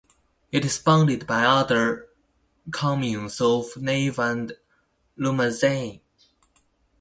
It is bounded by other communes of Nave and Lumezzane.